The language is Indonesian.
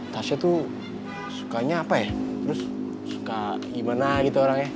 tasnya tuh sukanya apa ya terus suka gimana gitu orangnya